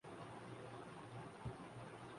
رقص پسند نہیں کرتا